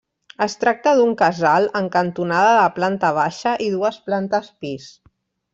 Es tracta d'un casal en cantonada de planta baixa i dues plantes pis.